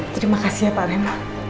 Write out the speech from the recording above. terima kasih ya pak rem